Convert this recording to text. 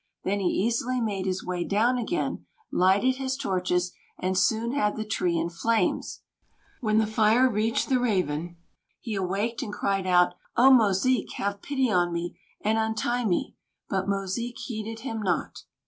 Then he easily made his way down again, lighted his torches, and soon had the tree in flames. When the fire reached the Raven, he awaked and cried out: "Oh, Mosique, have pity on me, and untie me!" but Mosique heeded him not.